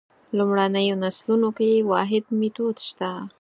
لومړنیو نسلونو کې واحد میتود شته.